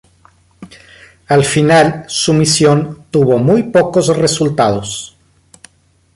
Al final, su misión tuvo muy pocos resultados.